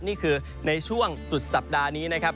นี่คือในช่วงสุดสัปดาห์นี้นะครับ